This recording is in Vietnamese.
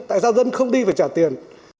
tại sao dân không đi phải trả tiền